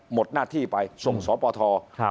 หมดหน้าที่ไปส่งสปท